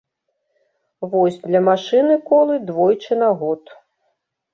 Вось, для машыны колы двойчы на год.